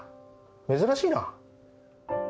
珍しいな